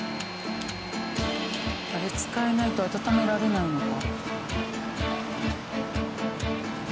あれ使えないと温められないのか。